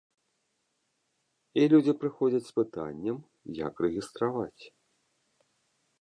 І людзі прыходзяць з пытаннем, як рэгістраваць.